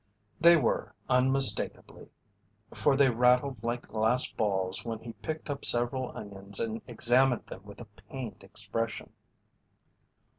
They were, unmistakably, for they rattled like glass balls when he picked up several onions and examined them with a pained expression.